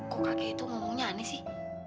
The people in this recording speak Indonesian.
kok kakek itu ngomongnya aneh sih